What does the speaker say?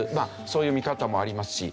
そういう見方もありますし。